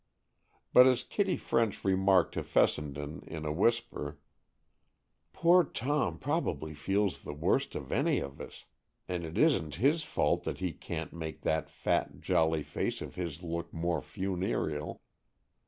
But as Kitty French remarked to Fessenden in a whisper, "Poor Tom probably feels the worst of any of us, and it isn't his fault that he can't make that fat, jolly face of his look more funereal."